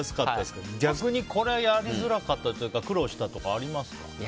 逆にこれはやりづらかったとか苦労したとかありますか？